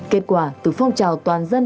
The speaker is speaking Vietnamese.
kết quả từ phong trào toàn dân